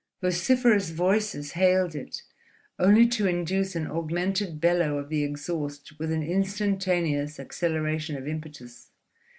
Vociferous voices hailed it, only to induce an augmented bellow of the exhaust with an instantaneous acceleration of impetus.